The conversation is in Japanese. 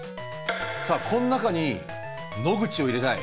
さあこん中に野口を入れたい。